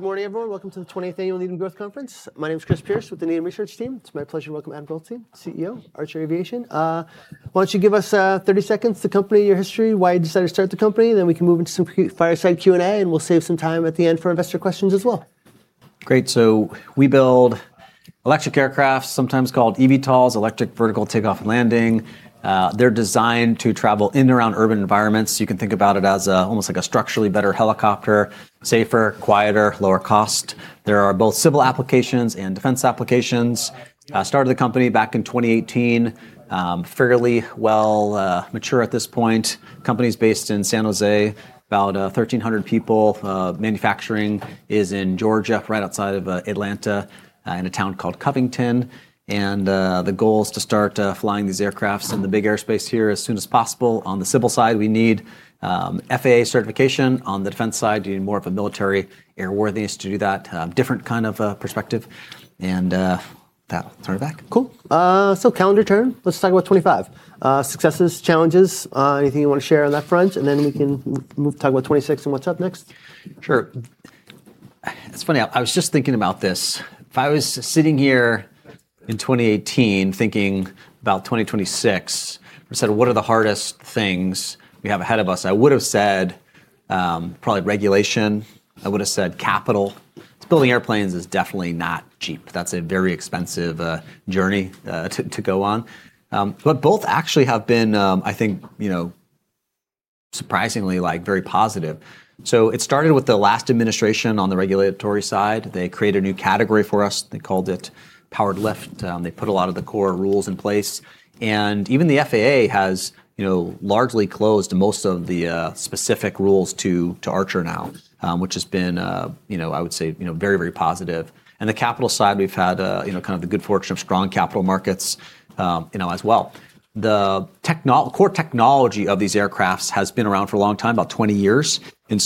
Good morning, everyone. Welcome to the 20th Annual Needham Growth Conference. My name is Chris Pierce with the Needham Research Team. It's my pleasure to welcome Adam Goldstein, CEO, Archer Aviation. Why don't you give us 30 seconds to on company history, why you decided to start the company, then we can move into some quick fireside Q&A, and we'll save some time at the end for investor questions as well. Great. So we build electric aircraft, sometimes called eVTOLs, electric vertical takeoff and landing. They're designed to travel in and around urban environments. You can think about it as almost like a structurally better helicopter: safer, quieter, lower cost. There are both civil applications and defense applications. Started the company back in 2018, fairly well mature at this point. Company's based in San Jose, about 1,300 people. Manufacturing is in Georgia, right outside of Atlanta, in a town called Covington. And the goal is to start flying these aircraft in the big airspace here as soon as possible. On the civil side, we need FAA certification. On the defense side, you need more of a military airworthiness to do that. Different kind of perspective. And with that, turn it back. Cool. So, calendar turn. Let's talk about 2025. Successes, challenges, anything you want to share on that front? And then we can talk about 2026 and what's up next. Sure. It's funny. I was just thinking about this. If I was sitting here in 2018 thinking about 2026, I said, what are the hardest things we have ahead of us? I would have said probably regulation. I would have said capital. Building airplanes is definitely not cheap. That's a very expensive journey to go on, but both actually have been, I think, surprisingly very positive, so it started with the last administration on the regulatory side. They created a new category for us. They called it powered lift. They put a lot of the core rules in place, and even the FAA has largely closed most of the specific rules to Archer now, which has been, I would say, very, very positive, and the capital side, we've had kind of the good fortune of strong capital markets as well. The core technology of these aircraft has been around for a long time, about 20 years. And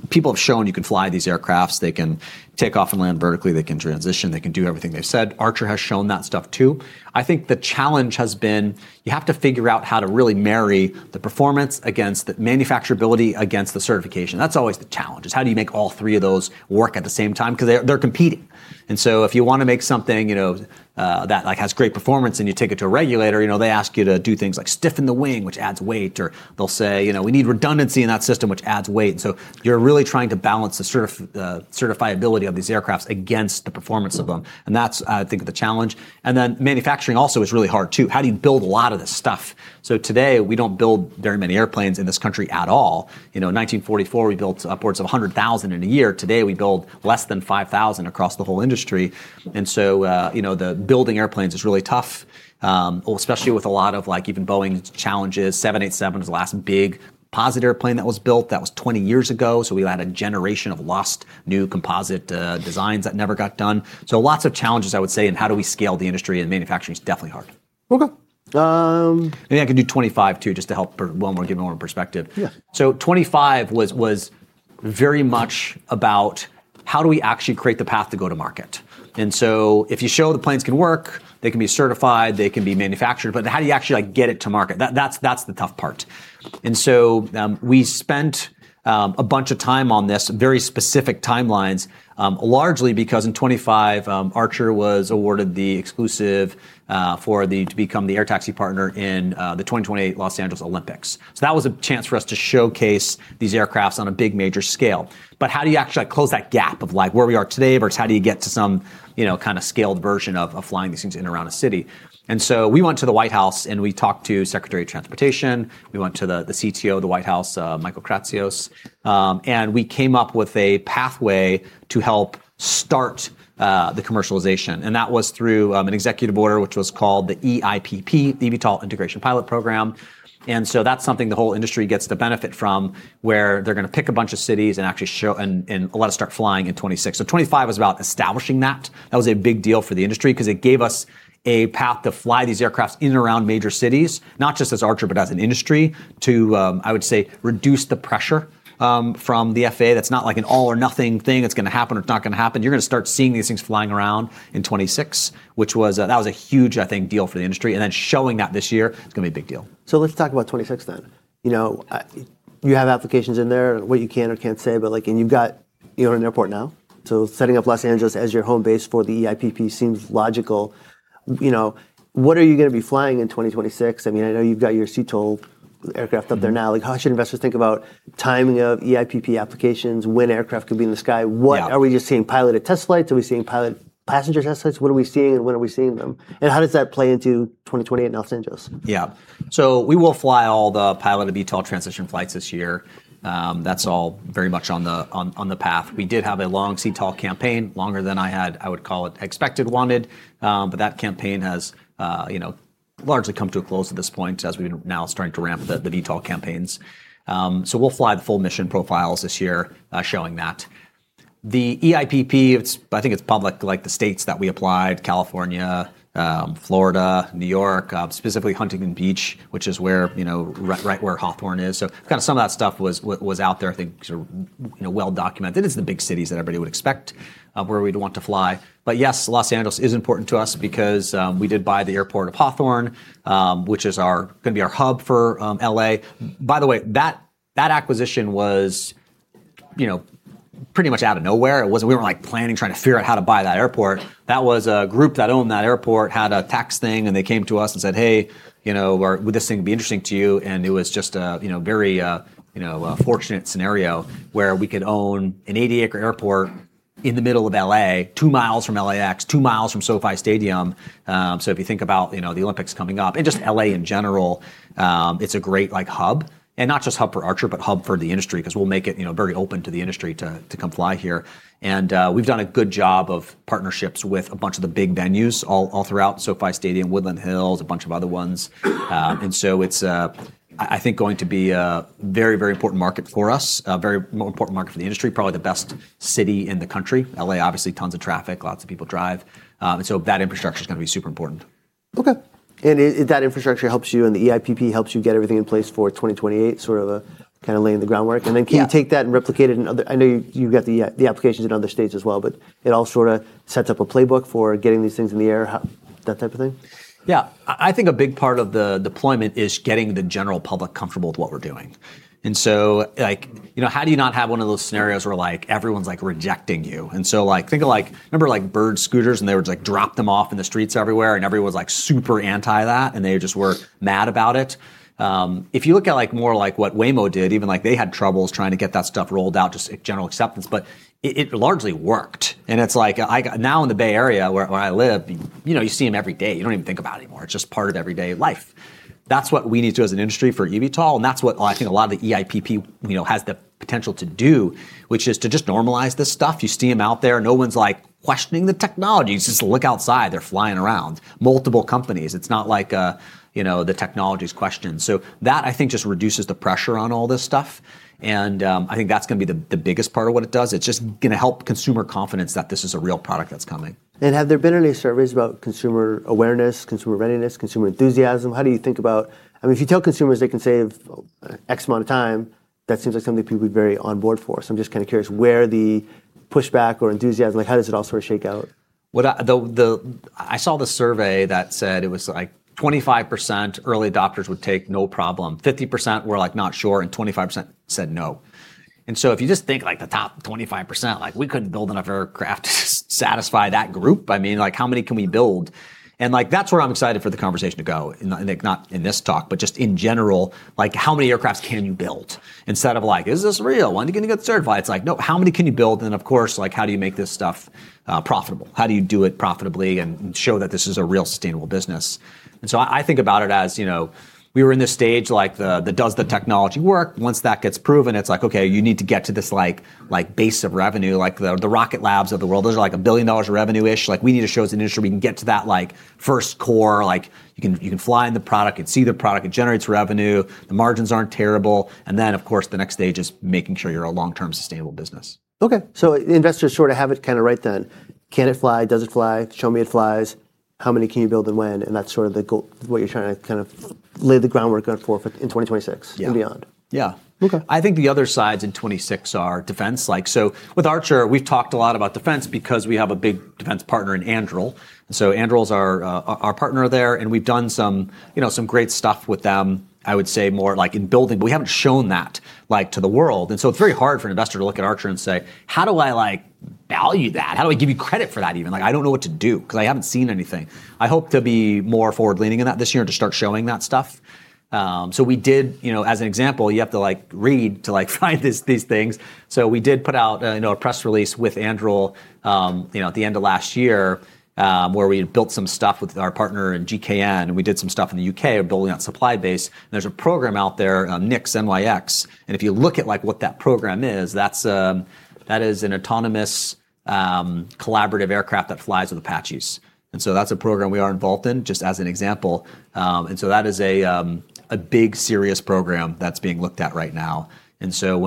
so people have shown you can fly these aircraft. They can take off and land vertically. They can transition. They can do everything they've said. Archer has shown that stuff too. I think the challenge has been you have to figure out how to really marry the performance against the manufacturability against the certification. That's always the challenge, is how do you make all three of those work at the same time? Because they're competing. And so if you want to make something that has great performance and you take it to a regulator, they ask you to do things like stiffen the wing, which adds weight. Or they'll say, we need redundancy in that system, which adds weight. You're really trying to balance the certifiability of these aircraft against the performance of them. That's, I think, the challenge. Manufacturing also is really hard too. How do you build a lot of this stuff? Today, we don't build very many airplanes in this country at all. In 1944, we built upwards of 100,000 in a year. Today, we build less than 5,000 across the whole industry. Building airplanes is really tough, especially with a lot of even Boeing challenges. The 787 was the last big composite airplane that was built. That was 20 years ago. We had a generation of lost new composite designs that never got done. Lots of challenges, I would say. How do we scale the industry and manufacturing is definitely hard. We'll go. Maybe I could do 2025 too, just to help give more perspective, so 2025 was very much about how do we actually create the path to go to market, and so if you show the planes can work, they can be certified, they can be manufactured, but how do you actually get it to market? That's the tough part, and so we spent a bunch of time on this, very specific timelines, largely because in 2025, Archer was awarded the exclusive for them to become the air taxi partner in the 2028 Los Angeles Olympics, so that was a chance for us to showcase these aircraft on a big major scale, but how do you actually close that gap of where we are today versus how do you get to some kind of scaled version of flying these things in and around a city? We went to the White House and we talked to the Secretary of Transportation. We went to the CTO of the White House, Michael Kratsios. We came up with a pathway to help start the commercialization. That was through an executive order, which was called the EIPP, the eVTOL Integration Pilot Program. That's something the whole industry gets to benefit from, where they're going to pick a bunch of cities and actually show and let us start flying in 2026. 2025 was about establishing that. That was a big deal for the industry because it gave us a path to fly these aircraft in and around major cities, not just as Archer, but as an industry, to, I would say, reduce the pressure from the FAA. That's not like an all-or-nothing thing. It's going to happen or it's not going to happen. You're going to start seeing these things flying around in 2026, which was a huge, I think, deal for the industry, and then showing that this year is going to be a big deal. So let's talk about 2026 then. You have applications in there, what you can or can't say, but you've got an airport now. So setting up Los Angeles as your home base for the EIPP seems logical. What are you going to be flying in 2026? I mean, I know you've got your CTOL aircraft up there now. How should investors think about timing of EIPP applications, when aircraft could be in the sky? What are we just seeing piloted test flights? Are we seeing piloted passenger test flights? What are we seeing and when are we seeing them? And how does that play into 2028 in Los Angeles? Yeah. So we will fly all the piloted eVTOL transition flights this year. That's all very much on the path. We did have a long CTOL campaign, longer than I would call it expected, wanted. But that campaign has largely come to a close at this point as we're now starting to ramp the eVTOL campaigns. So we'll fly the full mission profiles this year, showing that. The EIPP, I think it's public, like the states that we applied: California, Florida, New York, specifically Huntington Beach, which is right where Hawthorne is. So kind of some of that stuff was out there, I think, well documented. It's the big cities that everybody would expect where we'd want to fly. But yes, Los Angeles is important to us because we did buy the airport of Hawthorne, which is going to be our hub for L.A. By the way, that acquisition was pretty much out of nowhere. We weren't planning, trying to figure out how to buy that airport. That was a group that owned that airport, had a tax thing, and they came to us and said, "Hey, would this thing be interesting to you?" And it was just a very fortunate scenario where we could own an 80-acre airport in the middle of L.A., two miles from LAX, two miles from SoFi Stadium. So if you think about the Olympics coming up and just L.A. in general, it's a great hub. And not just hub for Archer, but hub for the industry because we'll make it very open to the industry to come fly here. And we've done a good job of partnerships with a bunch of the big venues all throughout: SoFi Stadium, Woodland Hills, a bunch of other ones. And so it's, I think, going to be a very, very important market for us, a very important market for the industry, probably the best city in the country. L.A., obviously, tons of traffic, lots of people drive. And so that infrastructure is going to be super important. Okay. And that infrastructure helps you, and the EIPP helps you get everything in place for 2028, sort of kind of laying the groundwork. And then can you take that and replicate it in other, I know you've got the applications in other states as well, but it all sort of sets up a playbook for getting these things in the air, that type of thing? Yeah. I think a big part of the deployment is getting the general public comfortable with what we're doing. And so how do you not have one of those scenarios where everyone's rejecting you? And so think of, remember, Bird scooters, and they would drop them off in the streets everywhere, and everyone was super anti that, and they just were mad about it. If you look at more like what Waymo did, even they had troubles trying to get that stuff rolled out, just general acceptance, but it largely worked. And it's like now in the Bay Area, where I live, you see them every day. You don't even think about it anymore. It's just part of everyday life. That's what we need to do as an industry for eVTOL. And that's what I think a lot of the EIPP has the potential to do, which is to just normalize this stuff. You see them out there. No one's questioning the technology. Just look outside. They're flying around. Multiple companies. It's not like the technology is questioned. So that, I think, just reduces the pressure on all this stuff. And I think that's going to be the biggest part of what it does. It's just going to help consumer confidence that this is a real product that's coming. And have there been any surveys about consumer awareness, consumer readiness, consumer enthusiasm? How do you think about, I mean, if you tell consumers they can save X amount of time, that seems like something people would be very on board for. So I'm just kind of curious where the pushback or enthusiasm, how does it all sort of shake out? I saw the survey that said it was like 25% early adopters would take no problem, 50% were not sure, and 25% said no. And so if you just think like the top 25%, we couldn't build enough aircraft to satisfy that group. I mean, how many can we build? And that's where I'm excited for the conversation to go, not in this talk, but just in general, how many aircraft can you build? Instead of like, is this real? When are you going to get certified? It's like, no, how many can you build? And then, of course, how do you make this stuff profitable? How do you do it profitably and show that this is a real sustainable business? And so I think about it as we were in this stage like, does the technology work? Once that gets proven, it's like, okay, you need to get to this base of revenue, like the Rocket Lab of the world. Those are like $1 billion of revenue-ish. We need to show as an industry we can get to that first core. You can fly in the product. You can see the product. It generates revenue. The margins aren't terrible. And then, of course, the next stage is making sure you're a long-term sustainable business. Okay, so investors sort of have it kind of right then. Can it fly? Does it fly? Show me it flies. How many can you build and when, and that's sort of what you're trying to kind of lay the groundwork for in 2026 and beyond. Yeah. I think the other sides in 2026 are defense. So with Archer, we've talked a lot about defense because we have a big defense partner in Anduril. And so Anduril is our partner there. And we've done some great stuff with them, I would say, more in building, but we haven't shown that to the world. And so it's very hard for an investor to look at Archer and say, how do I value that? How do I give you credit for that even? I don't know what to do because I haven't seen anything. I hope to be more forward-leaning in that this year and to start showing that stuff. So we did, as an example, you have to read to find these things. So we did put out a press release with Anduril at the end of last year where we had built some stuff with our partner in GKN. And we did some stuff in the U.K., building out supply base. And there's a program out there, NYX. And if you look at what that program is, that is an autonomous collaborative aircraft that flies with Apaches. And so that's a program we are involved in, just as an example. And so that is a big, serious program that's being looked at right now. And so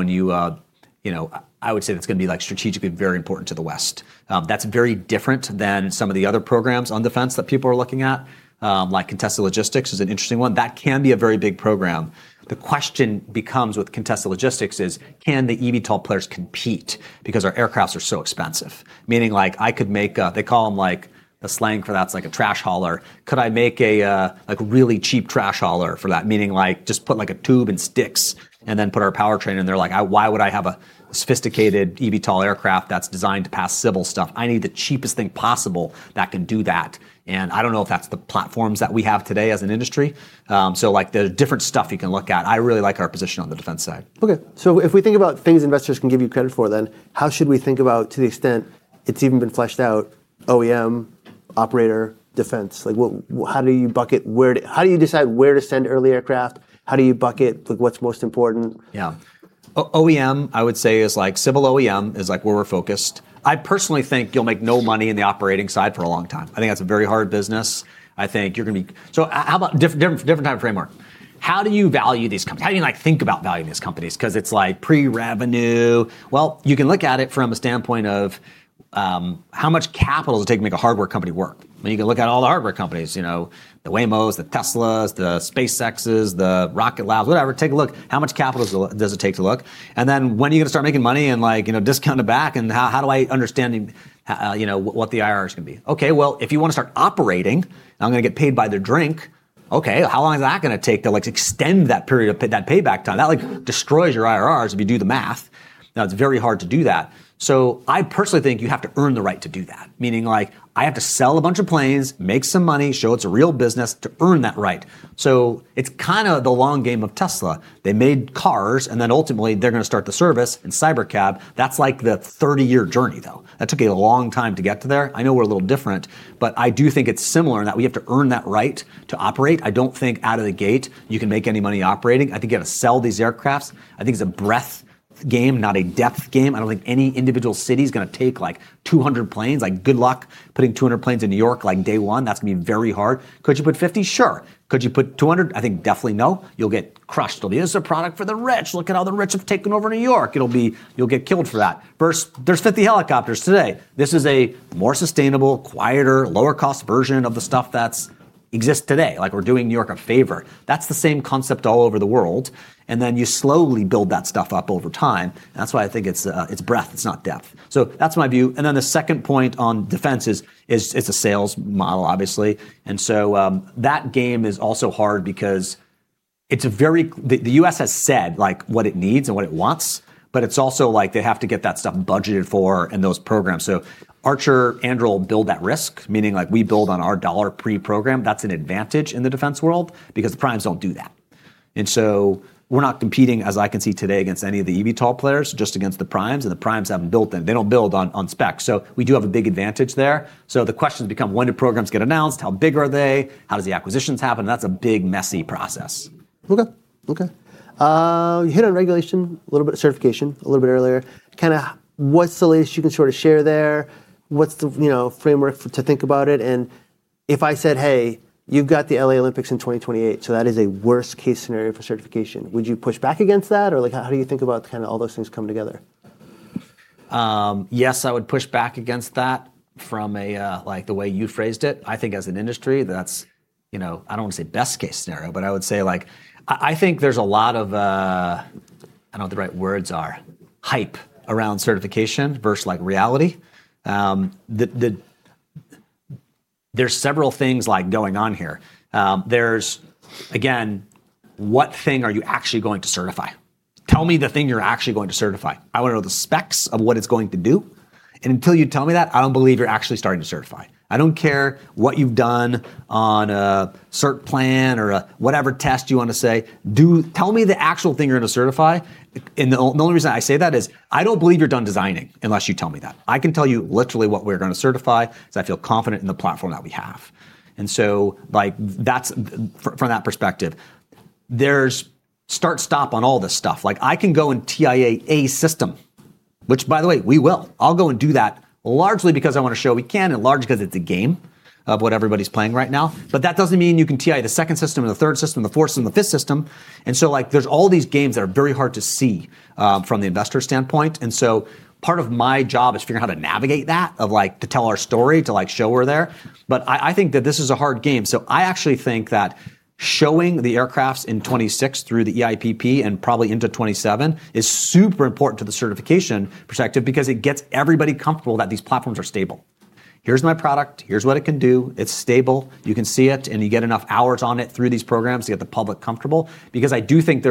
I would say that's going to be strategically very important to the West. That's very different than some of the other programs on defense that people are looking at, like contested logistics is an interesting one. That can be a very big program. The question becomes with contested logistics is, can the eVTOL players compete because our aircraft are so expensive? Meaning I could make a. They call them like the slang for that's like a trash hauler. Could I make a really cheap trash hauler for that? Meaning just put like a tube and sticks and then put our powertrain in there. Why would I have a sophisticated eVTOL aircraft that's designed to pass civil stuff? I need the cheapest thing possible that can do that. And I don't know if that's the platforms that we have today as an industry. So there's different stuff you can look at. I really like our position on the defense side. Okay. So if we think about things investors can give you credit for, then how should we think about, to the extent it's even been fleshed out, OEM, operator, defense? How do you bucket? How do you decide where to send early aircraft? How do you bucket what's most important? Yeah. OEM, I would say, is like civil OEM is where we're focused. I personally think you'll make no money in the operating side for a long time. I think that's a very hard business. I think you're going to be so how about different type of framework? How do you value these companies? How do you think about valuing these companies? Because it's like pre-revenue. Well, you can look at it from a standpoint of how much capital does it take to make a hardware company work? I mean, you can look at all the hardware companies, the Waymos, the Teslas, the SpaceXs, the Rocket Labs, whatever. Take a look. And then when are you going to start making money and discount it back? And how do I understand what the IRR is going to be? Okay, well, if you want to start operating, I'm going to get paid by the drink. Okay, how long is that going to take to extend that period of payback time? That destroys your IRRs if you do the math. Now, it's very hard to do that. So I personally think you have to earn the right to do that. Meaning I have to sell a bunch of planes, make some money, show it's a real business to earn that right. So it's kind of the long game of Tesla. They made cars, and then ultimately they're going to start the service in Cybercab. That's like the 30-year journey, though. That took a long time to get to there. I know we're a little different, but I do think it's similar in that we have to earn that right to operate. I don't think out of the gate you can make any money operating. I think you have to sell these aircrafts. I think it's a breadth game, not a depth game. I don't think any individual city is going to take like 200 planes. Good luck putting 200 planes in New York day one. That's going to be very hard. Could you put 50? Sure. Could you put 200? I think definitely no. You'll get crushed. There'll be this product for the rich. Look at how the rich have taken over New York. You'll get killed for that. Versus there's 50 helicopters today. This is a more sustainable, quieter, lower-cost version of the stuff that exists today. We're doing New York a favor. That's the same concept all over the world. And then you slowly build that stuff up over time. That's why I think it's breadth. It's not depth. That's my view. And then the second point on defense is it's a sales model, obviously. And so that game is also hard because the U.S. has said what it needs and what it wants, but it's also like they have to get that stuff budgeted for and those programs. So Archer, Anduril build that risk, meaning we build on our dollar pre-program. That's an advantage in the defense world because the primes don't do that. And so we're not competing, as I can see today, against any of the eVTOL players, just against the primes. And the primes haven't built them. They don't build on spec. So we do have a big advantage there. So the questions become, when do programs get announced? How big are they? How do the acquisitions happen? And that's a big, messy process. Okay. Okay. You hit on regulation, a little bit of certification, a little bit earlier. Kind of what's the latest you can sort of share there? What's the framework to think about it? And if I said, "Hey, you've got the L.A. Olympics in 2028, so that is a worst-case scenario for certification," would you push back against that? Or how do you think about kind of all those things coming together? Yes, I would push back against that from the way you phrased it. I think as an industry, that's, I don't want to say best-case scenario, but I would say I think there's a lot of, I don't know what the right words are, hype around certification versus reality. There's several things going on here. There's, again, what thing are you actually going to certify? Tell me the thing you're actually going to certify. I want to know the specs of what it's going to do, and until you tell me that, I don't believe you're actually starting to certify. I don't care what you've done on a cert plan or whatever test you want to say. Tell me the actual thing you're going to certify, and the only reason I say that is I don't believe you're done designing unless you tell me that. I can tell you literally what we're going to certify because I feel confident in the platform that we have. And so from that perspective, there's start-stop on all this stuff. I can go and TIA a system, which, by the way, we will. I'll go and do that largely because I want to show we can and largely because it's a game of what everybody's playing right now. But that doesn't mean you can TIA the second system and the third system and the fourth system and the fifth system. And so there's all these games that are very hard to see from the investor standpoint. And so part of my job is figuring out how to navigate that, to tell our story, to show we're there. But I think that this is a hard game. So I actually think that showing the aircraft in 2026 through the EIPP and probably into 2027 is super important to the certification perspective because it gets everybody comfortable that these platforms are stable. Here's my product. Here's what it can do. It's stable. You can see it, and you get enough hours on it through these programs to get the public comfortable. Because I do think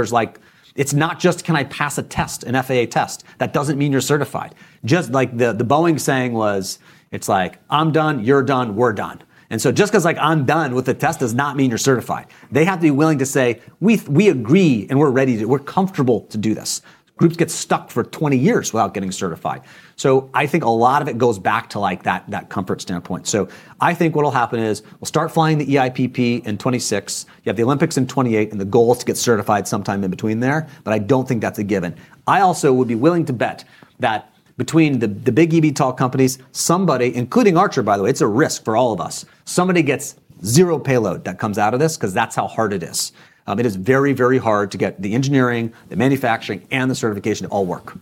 it's not just, can I pass a test, an FAA test? That doesn't mean you're certified. Just like the Boeing saying was, it's like, I'm done, you're done, we're done. And so just because I'm done with the test does not mean you're certified. They have to be willing to say, we agree and we're ready to do it. We're comfortable to do this. Groups get stuck for 20 years without getting certified. So I think a lot of it goes back to that comfort standpoint. So I think what'll happen is we'll start flying the EIPP in 2026. You have the Olympics in 2028, and the goal is to get certified sometime in between there. But I don't think that's a given. I also would be willing to bet that between the big eVTOL companies, somebody, including Archer, by the way, it's a risk for all of us. Somebody gets zero payload that comes out of this because that's how hard it is. It is very, very hard to get the engineering, the manufacturing, and the certification to all work.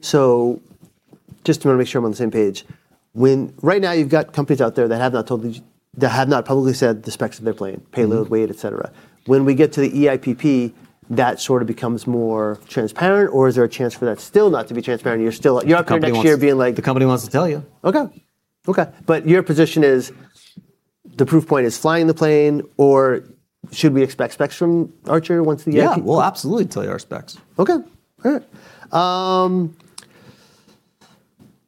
So just to make sure I'm on the same page, right now you've got companies out there that have not publicly said the specs of their plane, payload, weight, etc. When we get to the EIPP, that sort of becomes more transparent, or is there a chance for that still not to be transparent? You're still out there next year being like. The company wants to tell you. Okay. Okay. But your position is the proof point is flying the plane, or should we expect specs from Archer once the EIPP? Yeah. We'll absolutely tell you our specs. Okay. All right.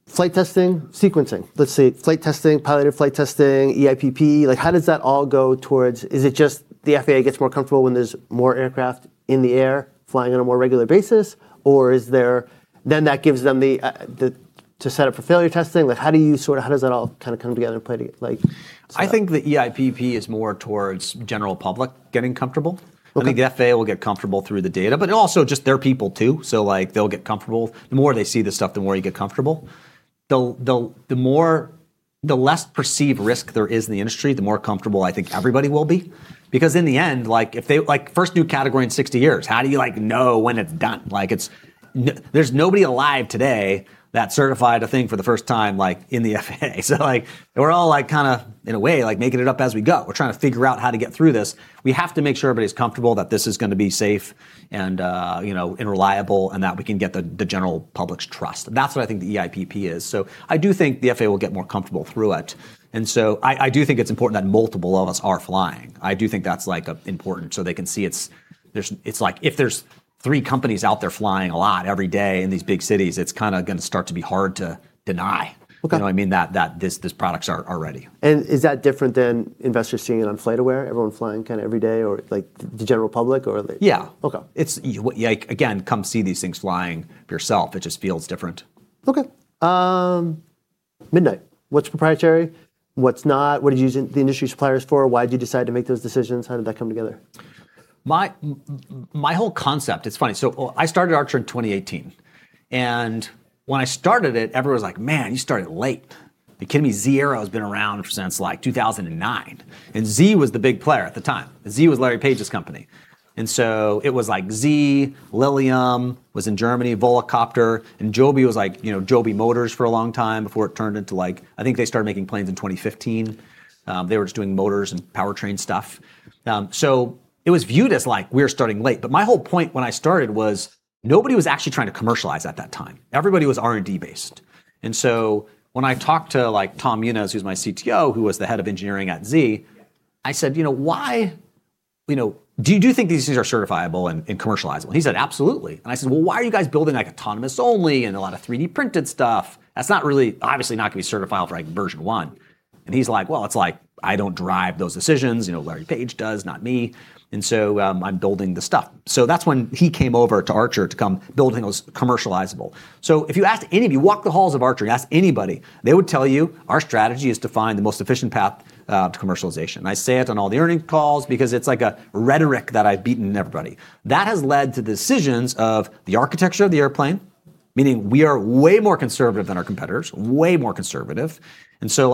Flight testing, sequencing. Let's see. Flight testing, piloted flight testing, EIPP. How does that all go towards? Is it just the FAA gets more comfortable when there's more aircraft in the air flying on a more regular basis, or is there then that gives them to set up for failure testing? How do you sort of how does that all kind of come together and play together? I think the EIPP is more towards general public getting comfortable. I think the FAA will get comfortable through the data, but also just their people too. So they'll get comfortable. The more they see the stuff, the more you get comfortable. The less perceived risk there is in the industry, the more comfortable I think everybody will be. Because in the end, first new category in 60 years. How do you know when it's done? There's nobody alive today that certified a thing for the first time in the FAA. So we're all kind of, in a way, making it up as we go. We're trying to figure out how to get through this. We have to make sure everybody's comfortable that this is going to be safe and reliable and that we can get the general public's trust. That's what I think the EIPP is. So I do think the FAA will get more comfortable through it. And so I do think it's important that multiple of us are flying. I do think that's important. So they can see it's like if there's three companies out there flying a lot every day in these big cities, it's kind of going to start to be hard to deny. I mean, that these products are ready. And is that different than investors seeing it on FlightAware? Everyone flying kind of every day or the general public or? Yeah. Again, come see these things flying yourself. It just feels different. Okay. Midnight. What's proprietary? What's not? What do you use the industry suppliers for? Why did you decide to make those decisions? How did that come together? My whole concept, it's funny. So I started Archer in 2018. And when I started it, everyone was like, "Man, you started late." The Zee.Aero has been around since like 2009. And Zee was the big player at the time. Zee was Larry Page's company. And so it was like Zee, Lilium was in Germany, Volocopter, and Joby was like Joby Motors for a long time before it turned into like I think they started making planes in 2015. They were just doing motors and powertrain stuff. So it was viewed as like we're starting late. But my whole point when I started was nobody was actually trying to commercialize at that time. Everybody was R&D based. And so when I talked to Tom Muniz, who's my CTO, who was the head of engineering at Z, I said, "Do you think these things are certifiable and commercializable?" And he said, "Absolutely." And I said, "Well, why are you guys building autonomous only and a lot of 3D printed stuff? That's obviously not going to be certifiable for version one." And he's like, "Well, it's like I don't drive those decisions. Larry Page does, not me. And so I'm building the stuff." So that's when he came over to Archer to come build things commercializable. So if you asked any of you, walk the halls of Archer and ask anybody, they would tell you, "Our strategy is to find the most efficient path to commercialization." I say it on all the earnings calls because it's like a rhetoric that I've beaten everybody. That has led to decisions of the architecture of the airplane, meaning we are way more conservative than our competitors, way more conservative. And so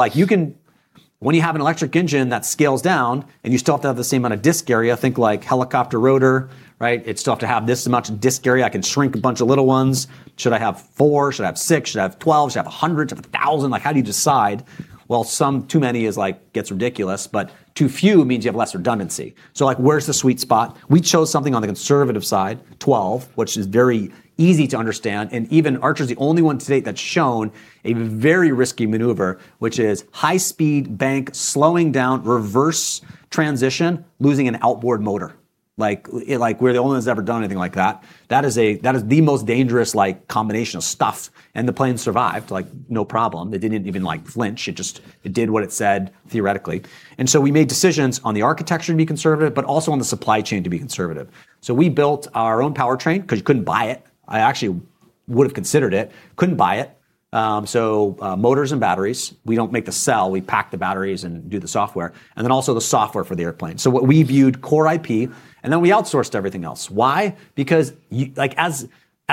when you have an electric engine that scales down and you still have to have the same amount of disk area, think like helicopter rotor, right? It still has to have this much disk area. I can shrink a bunch of little ones. Should I have four? Should I have six? Should I have 12? Should I have 100? Should I have 1,000? How do you decide? Well, too many is gets ridiculous, but too few means you have less redundancy. So where's the sweet spot? We chose something on the conservative side, 12, which is very easy to understand. And even Archer is the only one to date that's shown a very risky maneuver, which is high-speed bank, slowing down, reverse transition, losing an outboard motor. We're the only ones that have ever done anything like that. That is the most dangerous combination of stuff. And the plane survived no problem. It didn't even flinch. It did what it said theoretically. And so we made decisions on the architecture to be conservative, but also on the supply chain to be conservative. So we built our own powertrain because you couldn't buy it. I actually would have considered it. Couldn't buy it. So motors and batteries. We don't make the cell. We pack the batteries and do the software. And then also the software for the airplane. So we viewed core IP, and then we outsourced everything else. Why? Because as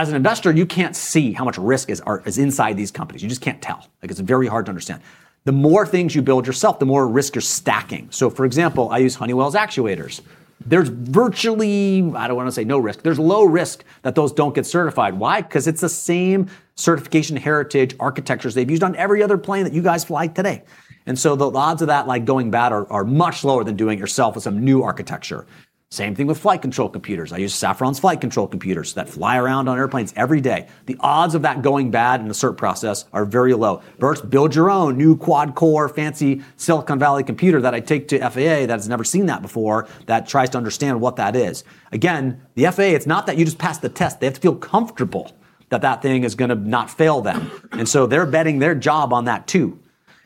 an investor, you can't see how much risk is inside these companies. You just can't tell. It's very hard to understand. The more things you build yourself, the more risk you're stacking. So for example, I use Honeywell's actuators. There's virtually, I don't want to say no risk. There's low risk that those don't get certified. Why? Because it's the same certification heritage architectures they've used on every other plane that you guys fly today. And so the odds of that going bad are much lower than doing it yourself with some new architecture. Same thing with flight control computers. I use Safran's flight control computers that fly around on airplanes every day. The odds of that going bad in the cert process are very low. Versus build your own new quad-core fancy Silicon Valley computer that I take to FAA that has never seen that before, that tries to understand what that is. Again, the FAA, it's not that you just pass the test. They have to feel comfortable that that thing is going to not fail them, and so they're betting their job on that too.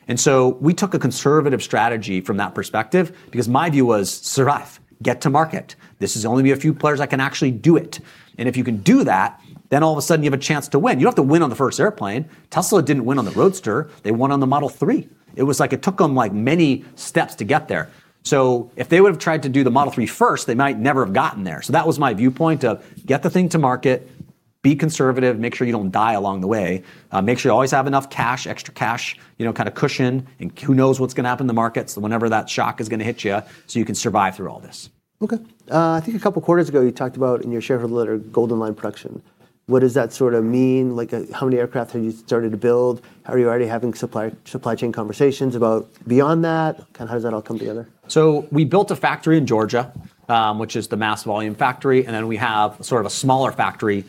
And so we took a conservative strategy from that perspective because my view was survive, get to market. This is only a few players that can actually do it. And if you can do that, then all of a sudden you have a chance to win. You don't have to win on the first airplane. Tesla didn't win on the Roadster. They won on the Model 3. It was like it took them many steps to get there. So if they would have tried to do the Model 3 first, they might never have gotten there. So that was my viewpoint of get the thing to market, be conservative, make sure you don't die along the way, make sure you always have enough cash, extra cash, kind of cushion, and who knows what's going to happen in the markets whenever that shock is going to hit you so you can survive through all this. Okay. I think a couple of quarters ago you talked about in your shareholder letter, Golden Line Production. What does that sort of mean? How many aircraft have you started to build? Are you already having supply chain conversations about beyond that? Kind of how does that all come together? So we built a factory in Georgia, which is the mass volume factory. And then we have sort of a smaller factory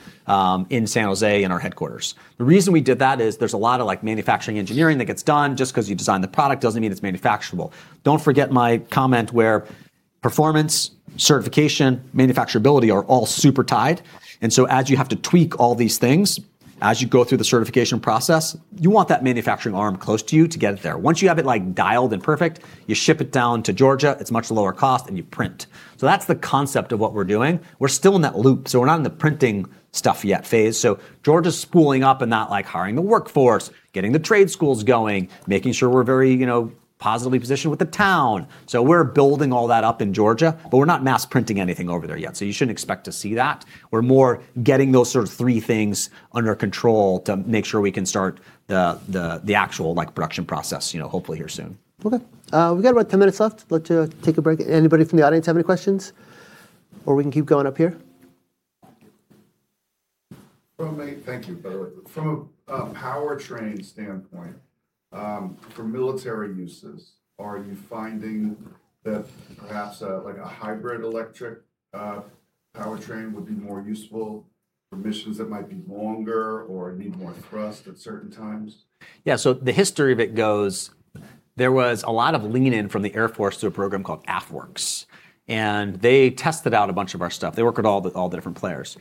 in San Jose in our headquarters. The reason we did that is there's a lot of manufacturing engineering that gets done just because you design the product doesn't mean it's manufacturable. Don't forget my comment where performance, certification, manufacturability are all super tied. And so as you have to tweak all these things, as you go through the certification process, you want that manufacturing arm close to you to get it there. Once you have it dialed and perfect, you ship it down to Georgia. It's much lower cost and you print. So that's the concept of what we're doing. We're still in that loop. So we're not in the printing stuff yet phase. Georgia's spooling up and not hiring the workforce, getting the trade schools going, making sure we're very positively positioned with the town. We're building all that up in Georgia, but we're not mass printing anything over there yet. You shouldn't expect to see that. We're more getting those sort of three things under control to make sure we can start the actual production process hopefully here soon. Okay. We got about 10 minutes left. Let's take a break. Anybody from the audience have any questions? Or we can keep going up here. From a powertrain standpoint, for military uses, are you finding that perhaps a hybrid electric powertrain would be more useful for missions that might be longer or need more thrust at certain times? Yeah. So the history of it goes. There was a lot of lean-in from the Air Force through a program called AFWERX. They tested out a bunch of our stuff. They worked with all the different players.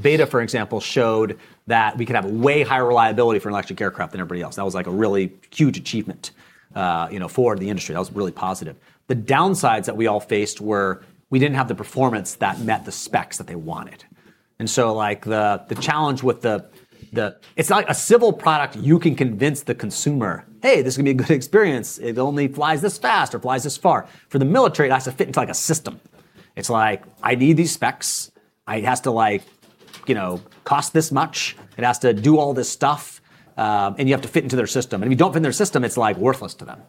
Beta, for example, showed that we could have way higher reliability for an electric aircraft than everybody else. That was like a really huge achievement for the industry. That was really positive. The downsides that we all faced were we didn't have the performance that met the specs that they wanted. So the challenge with it is like a civil product. You can convince the consumer, "Hey, this is going to be a good experience. It only flies this fast or flies this far." For the military, it has to fit into a system. It's like, "I need these specs. It has to cost this much. It has to do all this stuff." And you have to fit into their system. And if you don't fit into their system, it's worthless to them.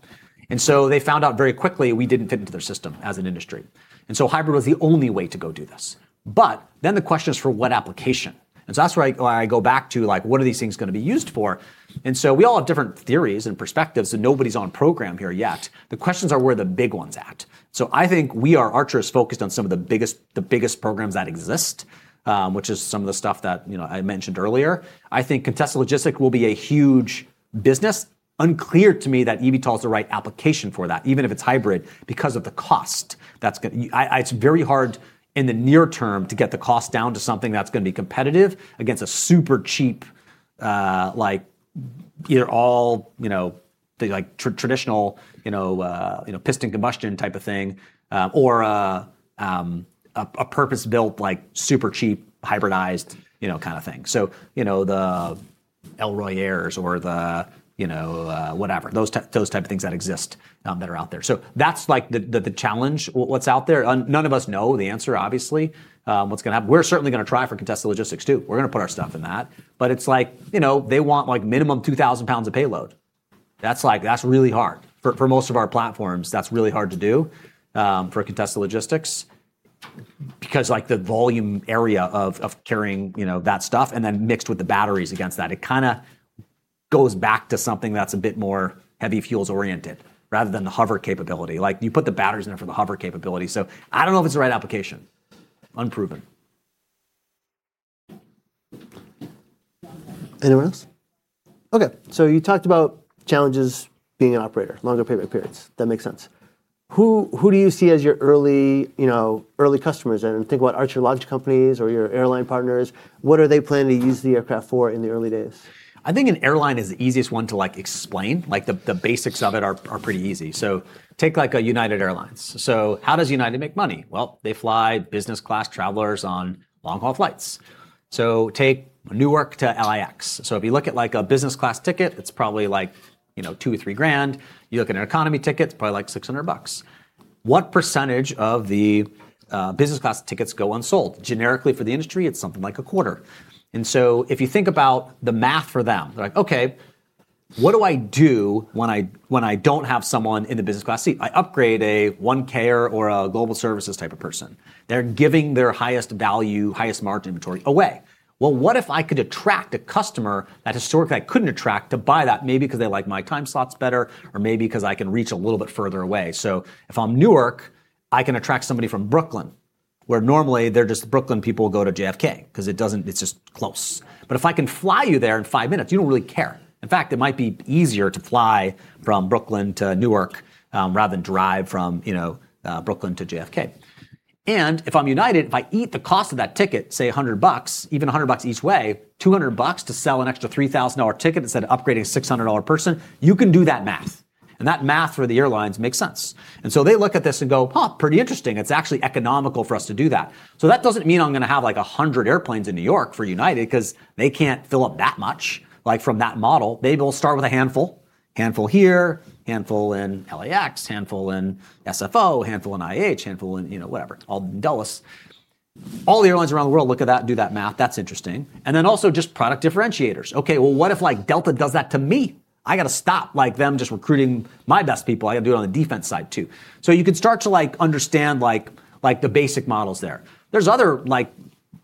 And so they found out very quickly we didn't fit into their system as an industry. And so hybrid was the only way to go do this. But then the question is for what application? And so that's where I go back to what are these things going to be used for? And so we all have different theories and perspectives, and nobody's on program here yet. The questions are where the big ones at. So I think we are Archer is focused on some of the biggest programs that exist, which is some of the stuff that I mentioned earlier. I think contested logistics will be a huge business. Unclear to me that eVTOL is the right application for that, even if it's hybrid, because of the cost. It's very hard in the near term to get the cost down to something that's going to be competitive against a super cheap, either all traditional piston combustion type of thing or a purpose-built super cheap hybridized kind of thing. So the Elroy Air or the whatever, those type of things that exist that are out there. So that's the challenge what's out there. None of us know the answer, obviously, what's going to happen. We're certainly going to try for contested logistics too. We're going to put our stuff in that. But it's like they want minimum 2,000 pounds of payload. That's really hard. For most of our platforms, that's really hard to do for contested logistics because the volume area of carrying that stuff and then mixed with the batteries against that, it kind of goes back to something that's a bit more heavy fuels oriented rather than the hover capability. You put the batteries in there for the hover capability. So I don't know if it's the right application. Unproven. Anyone else? Okay. So you talked about challenges being an operator, longer payback periods. That makes sense. Who do you see as your early customers? And think about Archer launch companies or your airline partners. What are they planning to use the aircraft for in the early days? I think an airline is the easiest one to explain. The basics of it are pretty easy. So take United Airlines. So how does United make money? Well, they fly business class travelers on long-haul flights. So take Newark to LAX. So if you look at a business class ticket, it's probably like $2,000-$3,000. You look at an economy ticket, it's probably like $600. What percentage of the business class tickets go unsold? Generically for the industry, it's something like a quarter. And so if you think about the math for them, they're like, "Okay, what do I do when I don't have someone in the business class seat?" I upgrade a 1K or a Global Services type of person. They're giving their highest value, highest margin inventory away. What if I could attract a customer that historically I couldn't attract to buy that maybe because they like my time slots better or maybe because I can reach a little bit further away? So if I'm Newark, I can attract somebody from Brooklyn where normally they're just Brooklyn people go to JFK because it's just close. But if I can fly you there in five minutes, you don't really care. In fact, it might be easier to fly from Brooklyn to Newark rather than drive from Brooklyn to JFK. And if I'm United, if I eat the cost of that ticket, say $100, even $100 each way, $200 to sell an extra $3,000 ticket instead of upgrading a $600 person, you can do that math. And that math for the airlines makes sense. And so they look at this and go, "Huh, pretty interesting. It's actually economical for us to do that." So that doesn't mean I'm going to have like 100 airplanes in New York for United because they can't fill up that much from that model. They will start with a handful, handful here, handful in LAX, handful in SFO, handful in IAH, handful in whatever, all Dulles. All the airlines around the world look at that, do that math. That's interesting. And then also just product differentiators. Okay, well, what if Delta does that to me? I got to stop them just recruiting my best people. I got to do it on the defense side too. So you can start to understand the basic models there. There's other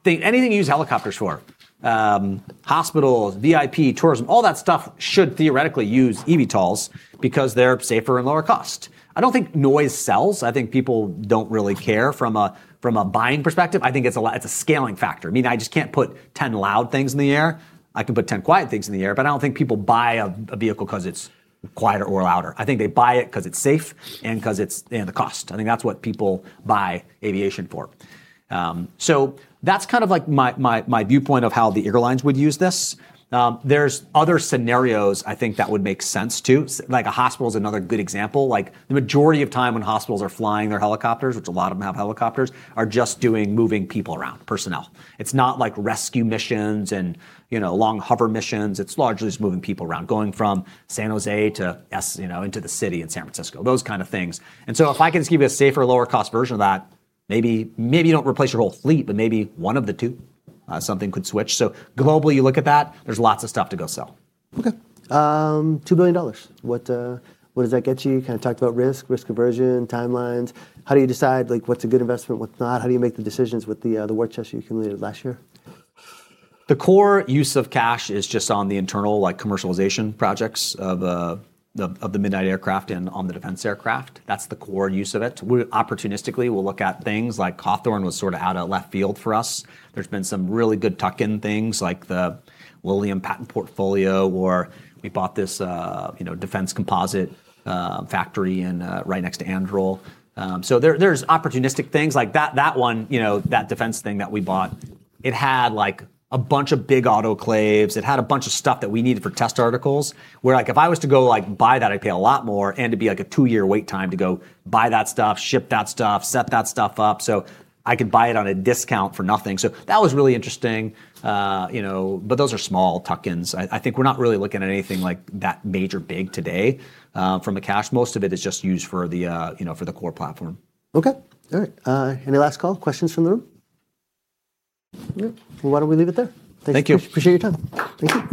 things. Anything you use helicopters for, hospitals, VIP, tourism, all that stuff should theoretically use eVTOLs because they're safer and lower cost. I don't think noise sells. I think people don't really care from a buying perspective. I think it's a scaling factor. I mean, I just can't put 10 loud things in the air. I can put 10 quiet things in the air, but I don't think people buy a vehicle because it's quieter or louder. I think they buy it because it's safe and because it's the cost. I think that's what people buy aviation for. So that's kind of like my viewpoint of how the airlines would use this. There's other scenarios I think that would make sense too. A hospital is another good example. The majority of time when hospitals are flying their helicopters, which a lot of them have helicopters, are just moving people around, personnel. It's not like rescue missions and long hover missions. It's largely just moving people around going from San Jose to into the city in San Francisco, those kind of things. And so if I can just give you a safer, lower cost version of that, maybe you don't replace your whole fleet, but maybe one of the two, something could switch. So globally, you look at that, there's lots of stuff to go sell. Okay. $2 billion. What does that get you? Kind of talked about risk, risk aversion, timelines. How do you decide what's a good investment, what's not? How do you make the decisions with the war chest you accumulated last year? The core use of cash is just on the internal commercialization projects of the Midnight aircraft and on the defense aircraft. That's the core use of it. Opportunistically, we'll look at things like Hawthorne was sort of out of left field for us. There's been some really good tuck-in things like the Lilium patent portfolio where we bought this defense composite factory right next to Anduril. So there's opportunistic things like that one, that defense thing that we bought. It had a bunch of big autoclaves. It had a bunch of stuff that we needed for test articles where if I was to go buy that, I'd pay a lot more and it'd be like a two-year wait time to go buy that stuff, ship that stuff, set that stuff up. So I could buy it on a discount for nothing. So that was really interesting. But those are small tuck-ins. I think we're not really looking at anything like that major big today from the cash. Most of it is just used for the core platform. Okay. All right. Any last call? Questions from the room? Why don't we leave it there? Thank you. Appreciate your time. Thank you.